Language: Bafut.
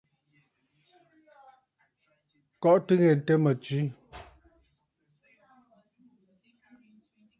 Kɔʼɔtə ŋghɛntə mə tswe.